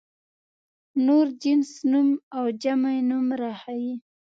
نور جنس نوم او جمع نوم راښيي.